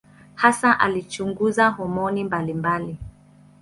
Hasa alichunguza homoni mbalimbali.